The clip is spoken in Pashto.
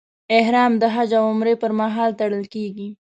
احرام د حج او عمرې پر مهال تړل کېږي.